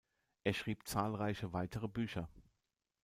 Er schrieb zahlreiche weitere Bücher.